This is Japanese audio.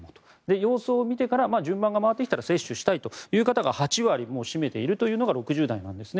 様子を見てから順番が回ってきたら接種したいという人が８割を占めているのが６０代なんですね。